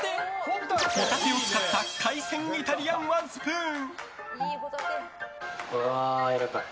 ホタテを使った海鮮イタリアンワンスプーン！